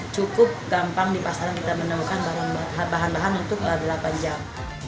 cukup gampang di pasaran kita menemukan bahan bahan untuk delapan jam